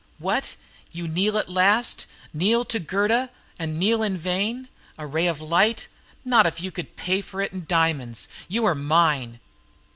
"What, you kneel at last! Kneel to Gerda, and kneel in vain. A ray of light; Not if you could pay for it in diamonds. You are mine!